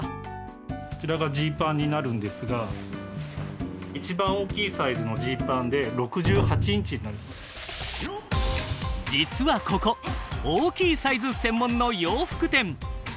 こちらがジーパンになるんですが一番大きいサイズのジーパンで実はここ大きいサイズ専門の洋服店。